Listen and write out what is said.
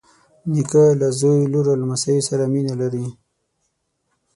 نیکه له زوی، لور او لمسیو سره مینه لري.